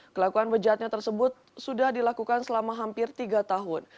kelakuan bejatnya tersebut sudah dilakukan selama hampir tiga tahun